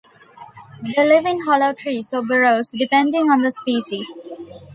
They live in hollow trees or burrows, depending on the species.